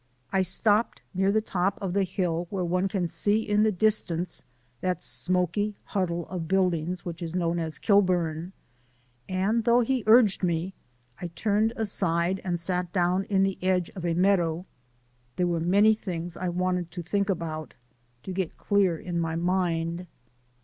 I stopped near the top of the hill where one can see in the distance that smoky huddle of buildings which is known as Kilburn, and though he urged me, I turned aside and sat down in the edge of a meadow. There were many things I wanted to think about, to get clear in my mind.